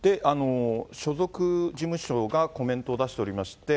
所属事務所がコメントを出しておりまして。